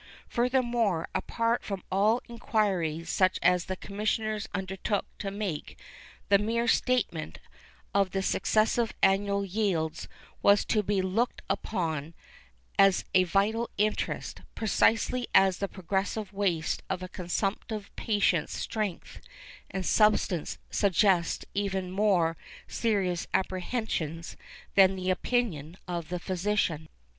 Furthermore, apart from all inquiries such as the Commissioners undertook to make, the mere statement of the successive annual yields was to be looked upon as of vital interest, precisely as the progressive waste of a consumptive patient's strength and substance suggests even more serious apprehensions than the opinion of the physician.